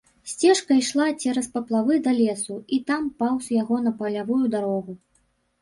Сцежка ішла цераз паплавы да лесу і там паўз яго на палявую дарогу.